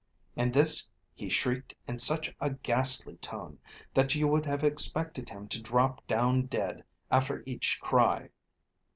And this he shrieked in such a ghastly tone, that you would have expected him to drop down dead after each cry.